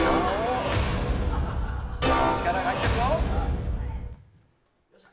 力が入ってるよ。